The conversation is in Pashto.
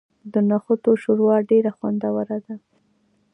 د نخودو شوروا ډیره خوندوره ده.